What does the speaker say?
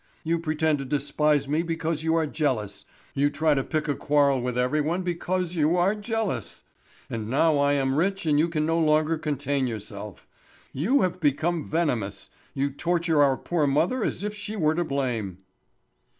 You pretend to despise me because you are jealous. You try to pick a quarrel with every one because you are jealous. And now that I am rich you can no longer contain yourself; you have become venomous, you torture our poor mother as if she were to blame!"